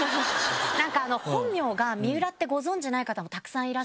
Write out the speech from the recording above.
なんか本名が水卜ってご存じない方もたくさんいらっしゃって。